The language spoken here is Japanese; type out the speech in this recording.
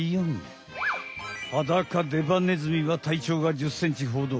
ハダカデバネズミは体長が１０ｃｍほど。